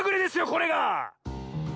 これが！